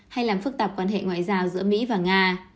hay làm phức tạp quan hệ ngoại giao giữa mỹ và nga